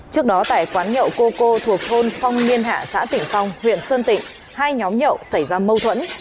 trước đó tại quán nhậu cô cô thuộc thôn phong niên hạ xã tỉnh phong huyện sơn tịnh hai nhóm nhậu xảy ra mâu thuẫn